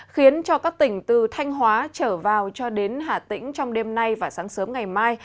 khiến cho các tỉnh từ thanh hóa trở vào cho đến hà tĩnh trong đêm nay và sáng sớm ngày mai